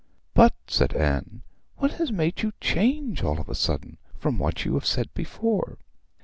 'But,' said Anne, 'what has made you change all of a sudden from what you have said before?'